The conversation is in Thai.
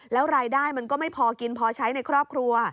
แล้วรายได้มันก็ไม่พอกินพอใช้ในครอบครัว